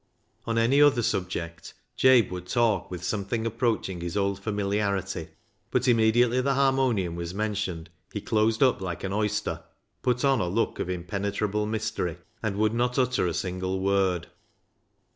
On any other subject Jabe would talk with something approaching his old familiarity, but immediately the harmonium was mentioned he closed up like an oyster, put on a look of impenetrable mystery, and would not utter a single word.